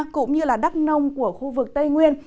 cũng như đắk nông của khu vực tây nguyên